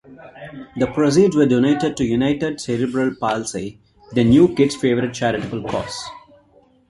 The proceeds were donated to United Cerebral Palsy, the New Kids' favorite charitable cause.